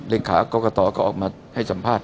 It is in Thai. เรียกขากกะตอก็ออกมาให้สัมภาษณ์